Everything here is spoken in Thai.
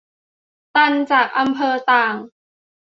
ตันจากอำเภอต่าง